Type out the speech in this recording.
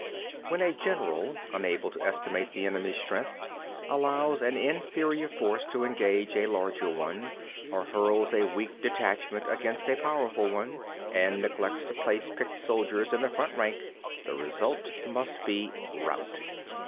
When a general, unable to estimate the enemy's strength, allows an inferior force to engage a larger one, or hurls a weak detachment against a powerful one, and neglects to place picked soldiers in the front rank, the result must be a rout.